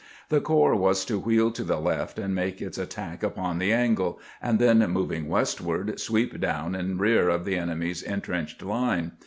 The corps was to wheel to the left and make its attack upon the angle, and then, moving westward, sweep down in rear of the enemy's intrenched line.